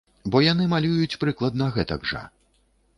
Бо яны малююць прыкладна гэтак жа.